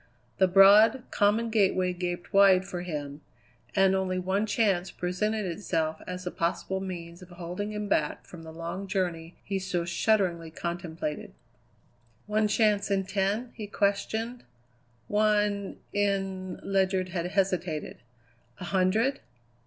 The broad, common gateway gaped wide for him, and only one chance presented itself as a possible means of holding him back from the long journey he so shudderingly contemplated. "One chance in ten?" he questioned. "One in " Ledyard had hesitated. "A hundred?"